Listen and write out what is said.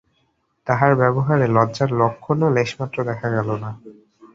তাহার ব্যবহারে লজ্জার লক্ষণও লেশমাত্র দেখা গেল না।